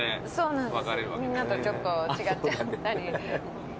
みんなとちょっと違っちゃったり。